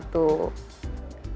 tanda tujuan ya pak